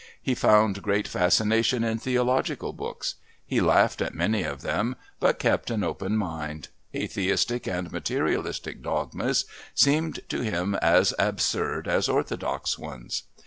He found great fascination in theological books: he laughed at many of them, but kept an open mind atheistic and materialistic dogmas seemed to him as absurd as orthodox ones.